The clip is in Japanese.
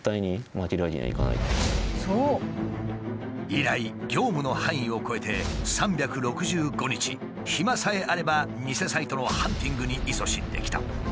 以来業務の範囲を超えて３６５日暇さえあれば偽サイトのハンティングにいそしんできた。